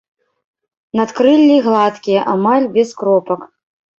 Надкрыллі гладкія, амаль без кропак.